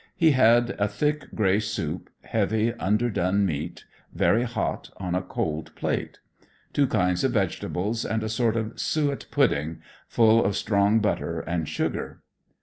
He had a thick, gray soup, heavy, underdone meat, very hot, on a cold plate; two kinds of vegetables; and a sort of suet pudding, full of strong butter and sugar.